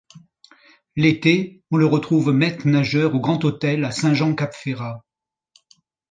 L'été, on le retrouve maître nageur au Grand-Hôtel à Saint-Jean-Cap-Ferrat.